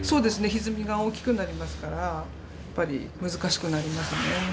ひずみが大きくなりますからやっぱり難しくなりますね。